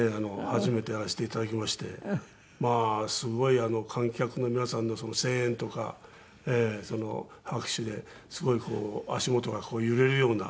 初めてやらせて頂きましてまあすごい観客の皆さんの声援とか拍手ですごい足元が揺れるような。